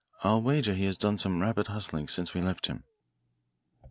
I'll wager he has done some rapid hustling since we left him."